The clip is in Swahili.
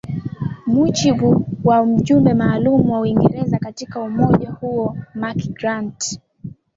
mujibu wa mjumbe maalum wa uingereza katika umoja huo mark grant